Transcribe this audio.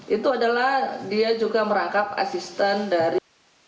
itu adalah dia juga merangkap asisten dari